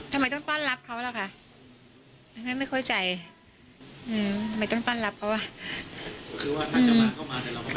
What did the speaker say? ทำไมต้องต้อนรับเขาล่ะคะ